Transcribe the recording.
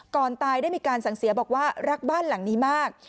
ก่อนตายได้มีการสั่งเสียบอกว่ารักบ้านหลังนี้มาก